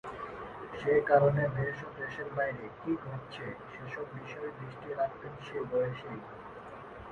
সে কারণে দেশ ও দেশের বাইরে কী ঘটছে, সেসব বিষয়ে দৃষ্টি রাখতেন সে বয়সেই।